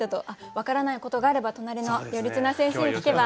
分からないことがあれば隣の頼綱先生に聞けば。